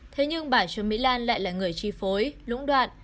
thế nhưng bà chủ mỹ lan lại là người tri phối lũng đoạn